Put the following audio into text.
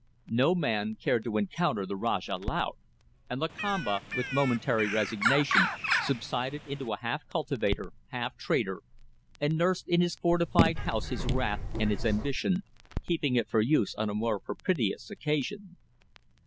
No man cared to encounter the Rajah Laut, and Lakamba, with momentary resignation, subsided into a half cultivator, half trader, and nursed in his fortified house his wrath and his ambition, keeping it for use on a more propitious occasion.